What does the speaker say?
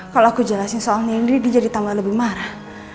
kalau aku jelasin soalnya ini dia jadi tambah lebih marah